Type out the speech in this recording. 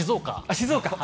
静岡。